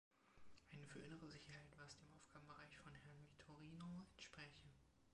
Einen für innere Sicherheit, was dem Aufgabenbereich von Herrn Vitorino entspräche.